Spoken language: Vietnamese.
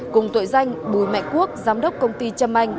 cùng tội danh bùi mạnh quốc giám đốc công ty trâm anh